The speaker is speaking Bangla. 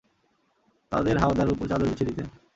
তাদের হাওদার উপর চাদর বিছিয়ে দিতেন।